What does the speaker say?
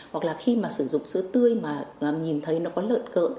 hoặc là khi mà sử dụng sữa tươi mà nhìn thấy nó có lợn cơm